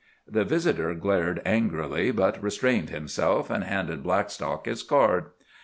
The visitor glared angrily, but restrained himself and handed Blackstock his card.